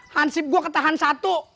hansip gua ketahan satu